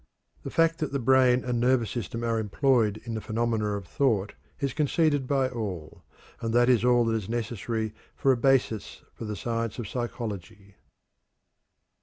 The fact that the brain and nervous system are employed in the phenomena of thought is conceded by all, and that is all that is necessary for a basis for the science of psychology.